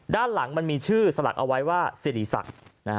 ด้านหลังมันมีชื่อสลักเอาไว้ว่าสิริศักดิ์